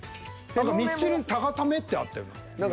ミスチルに「タガタメ」ってあったよな。